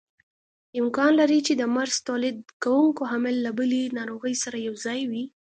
امکان لري چې د مرض تولید کوونکی عامل له بلې ناروغۍ سره یوځای وي.